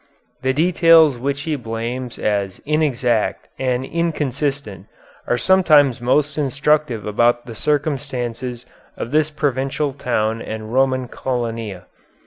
The details which he blames as inexact and inconsistent are sometimes most instructive about the circumstances of this provincial town and Roman colonia.